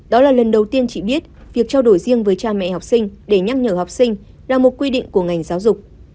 đó là lần đầu tiên chị biết việc trao đổi riêng với cha mẹ học sinh để nhắc nhở học sinh là một quy định của ngành giáo dục